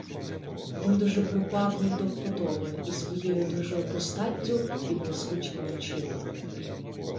Він дуже припав їй до вподоби і своєю дужою постаттю, і блискучими очима.